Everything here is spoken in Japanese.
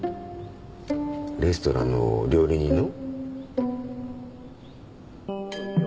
レストランの料理人の？